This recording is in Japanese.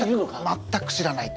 全く知らない。